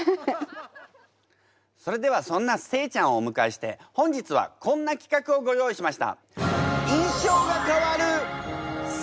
それではそんな西ちゃんをおむかえして本日はこんなきかくをご用意しました。